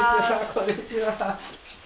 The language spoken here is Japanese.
こんにちは。